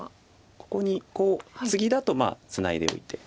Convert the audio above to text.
ここにこうツギだとツナいでおいて。